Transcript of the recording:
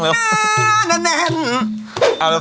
พ่มโผออกมาจากฉาก